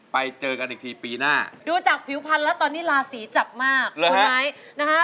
ไปเจอกันอีกทีปีหน้าดูจากผิวพันธุ์แล้วตอนนี้ลาศีจับมากเลยคุณไอซ์นะคะ